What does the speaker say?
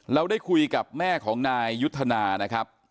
เราได้คุยกับแม่ของนายยุทธนานะครับ